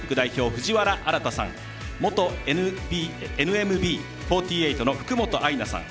藤原新さん元ＮＭＢ４８の福本愛菜さん